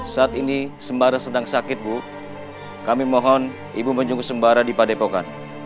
saat ini sembara sedang sakit bu kami mohon ibu menjunggu sembara di padepokan